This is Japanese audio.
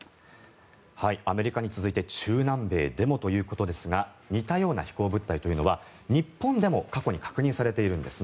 アメリカに続いて中南米でもということですが似たような飛行物体というのは日本でも過去に確認されているんです。